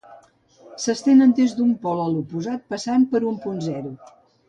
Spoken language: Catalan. S'estenen des d'un pol a l'oposat passant per un punt zero.